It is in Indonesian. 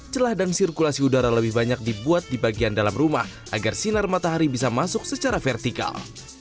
celah dan sirkulasi udara lebih banyak dibuat di bagian dalam rumah agar sinar matahari bisa masuk secara vertikal